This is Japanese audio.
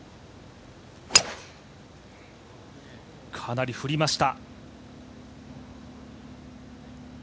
かなり振りました。